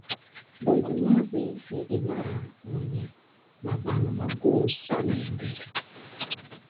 Bungo-mavi ni imara wenye mabawa magumu sana ya mbele.